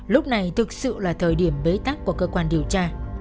lúc này thực sự là thời điểm bế tắc của cơ quan điều tra